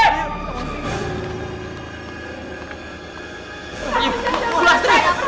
pergi bu lastri